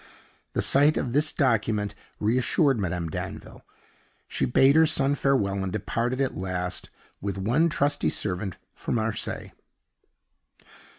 The sight of this document reassured Madame Danville. She bade her son farewell, and departed at last, with one trusty servant, for Marseilles.